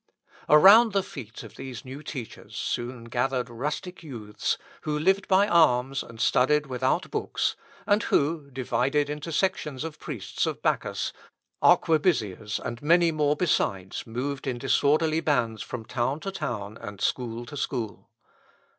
Around the feet of these new teachers soon gathered rustic youths, who lived by alms and studied without books, and who, divided into sections of priests of Bacchus, arquebusiers, and many more besides, moved in disorderly bands from town to town, and school to school.